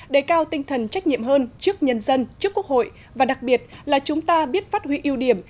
đề cao tinh thần trách nhiệm hơn trước nhân dân trước quốc hội và đặc biệt là chúng ta biết phát huy ưu điểm